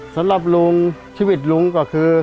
สำหรับลุงชีวิตลุงก็คือ